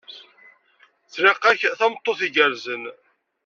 Tlaq-ak tameṭṭut igerrzen.